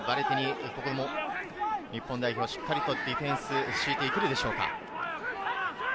ここも日本代表はしっかりディフェンスを敷いていくでしょうか。